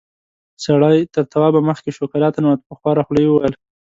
سړی تر توابه مخکې شو، کلا ته ننوت، په خواره خوله يې وويل: